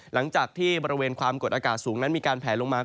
หลังจากที่บริเวณความกดอากาศสูงนั้นมีการแผลลงมา